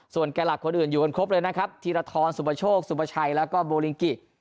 ส่วนแก่หลักคนอื่นอยู่กันครบเลยนะครับธีรทรสุปโชคสุปชัยแล้วก็โบลิงกิ